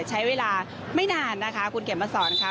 ใช้เวลาไม่นานนะคะคุณเข็มมาสอนค่ะ